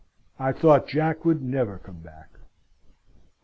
I thought Jack would never come back.